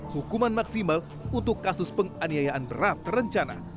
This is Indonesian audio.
hukuman maksimal untuk kasus penganiayaan berat terencana